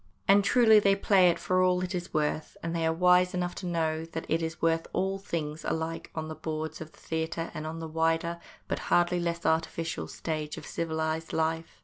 And truly they play it for what it is worth, and they are wise enough to know that it is worth all things, alike on the boards of the theatre and on the wider, but hardly less artificial, stage of civilised life.